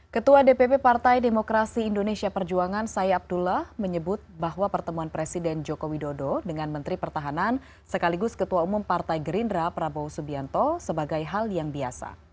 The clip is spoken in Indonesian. ketua dpp partai demokrasi indonesia perjuangan sai abdullah menyebut bahwa pertemuan presiden joko widodo dengan menteri pertahanan sekaligus ketua umum partai gerindra prabowo subianto sebagai hal yang biasa